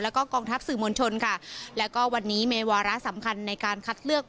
แล้วก็กองทัพสื่อมวลชนค่ะแล้วก็วันนี้มีวาระสำคัญในการคัดเลือก